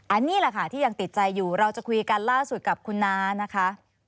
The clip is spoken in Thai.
อันนี้แหละค่ะที่ยังติดใจอยู่เราจะคุยกันล่าสุดกับคุณน้านะคะ